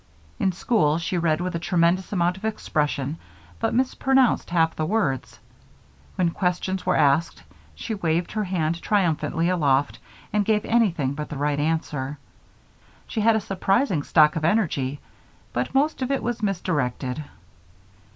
In school she read with a tremendous amount of expression but mispronounced half the words; when questions were asked, she waved her hand triumphantly aloft and gave anything but the right answer; she had a surprising stock of energy, but most of it was misdirected.